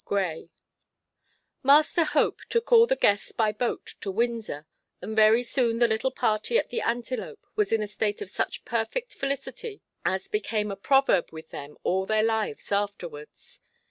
—Gray. Master Hope took all the guests by boat to Windsor, and very soon the little party at the Antelope was in a state of such perfect felicity as became a proverb with them all their lives afterwards.